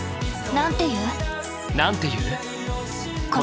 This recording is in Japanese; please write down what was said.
なんて言う？